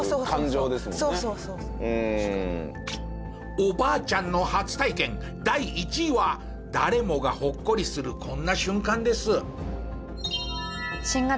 おばあちゃんの初体験第１位は誰もがほっこりするこんな瞬間です。